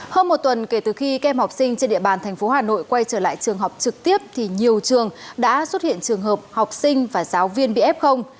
hôm một tuần kể từ khi kem học sinh trên địa bàn tp hà nội quay trở lại trường học trực tiếp nhiều trường đã xuất hiện trường hợp học sinh và giáo viên bị ép không